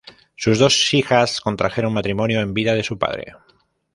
Sus dos hijas contrajeron matrimonio en vida de su padre.